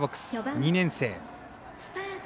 ２年生。